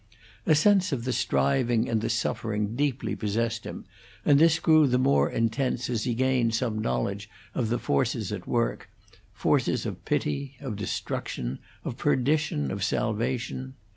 A sense of the striving and the suffering deeply possessed him; and this grew the more intense as he gained some knowledge of the forces at work forces of pity, of destruction, of perdition, of salvation.